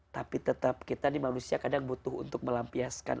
tapi tetap kita ini manusia kadang butuh untuk melampiaskan